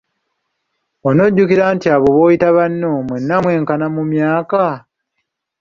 Onojjukira nti abo b'oyita banno mwenna mwenkana mu myaka?